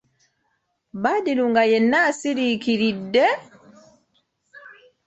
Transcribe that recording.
Badru nga yenna asiriikiridde!